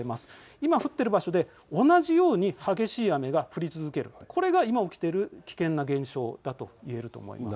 今降っている場所で同じように激しい雨が降り続けるこれが今起きている危険な現象だといえると思います。